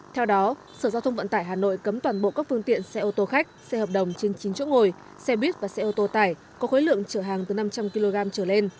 theo đó sở giao thông vận tải hà nội cấm toàn bộ các phương tiện xe ô tô khách xe hợp đồng trên chín chỗ ngồi xe buýt và xe ô tô tải có khối lượng chở hàng từ năm trăm linh kg trở lên